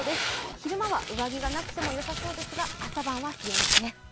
昼間は上着がなくてもよさそうですが、朝晩は冷えますね。